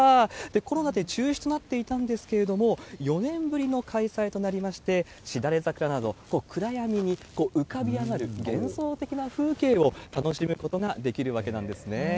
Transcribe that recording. コロナで中止となっていたんですけれども、４年ぶりの開催となりまして、しだれ桜など、暗闇に浮かび上がる幻想的な風景を楽しむことができるわけなんですね。